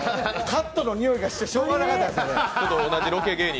カットのにおいがしてしようがなかったんです。